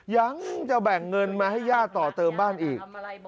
ยังจะแบ่งเงินมาให้ย่าต่อเติมบ้านอีก